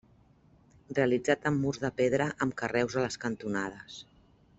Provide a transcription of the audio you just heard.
Realitzat amb murs de pedra amb carreus a les cantonades.